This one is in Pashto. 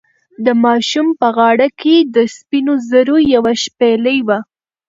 د ماشوم په غاړه کې د سپینو زرو یوه شپیلۍ وه.